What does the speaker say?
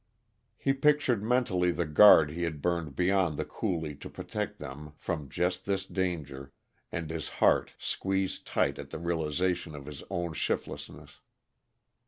He pictured mentally the guard he had burned beyond the coulee to protect them from just this danger, and his heart squeezed tight at the realization of his own shiftlessness.